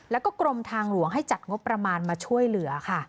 แล้วก็กรมทางหลวงให้จัดงบประมาณมาช่วยเหลือค่ะ